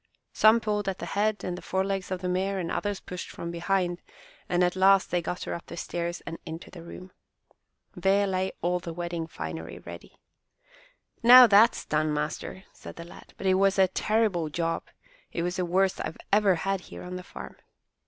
Some pulled at the head and the forelegs of the mare and others pushed from behind, and at last they got her up the stairs and into the room. There lay all the wedding finery ready. "Now that's done, master!" said the lad; "but it was a terrible job. It was the worst I have ever had here on the farm."